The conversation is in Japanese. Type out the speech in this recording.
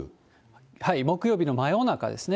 木曜日の真夜中ですね。